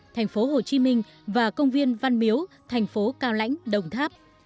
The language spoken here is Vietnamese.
thành phố hồ chí minh và công viên văn miếu thành phố cao lãnh đồng tháp